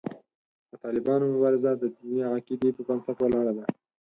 د طالبانو مبارزه د دیني عقیدې پر بنسټ ولاړه ده.